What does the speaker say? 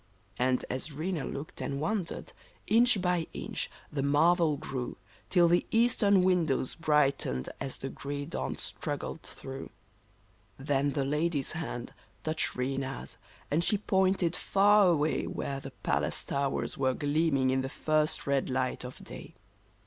And as Rena looked and wondered, inch by inch the marvel grew, Till the eastern windows brightened as the gray dawn strug gled through. Then the lady's hand touched Rena's, and she pointed far away, Where the palace towers were gleaming in the first red light of day.